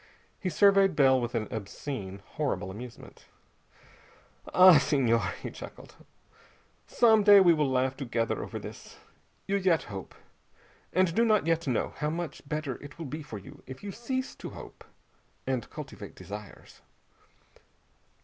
He surveyed Bell with an obscene, horrible amusement. "Ah, Senhor," he chuckled, "some day we will laugh together over this! You yet hope, and do not yet know how much better it will be for you if you cease to hope, and cultivate desires!